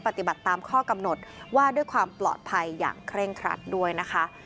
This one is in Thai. ปฏิบัติตามข้อกำหนดว่าด้วยความปลอดภัยอย่างเคร่งครัดด้วยนะคะ